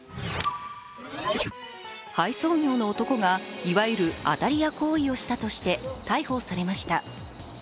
配送業の男が、いわゆる当たり屋行為をしたとして逮捕されました。